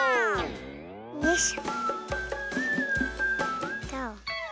よいしょ。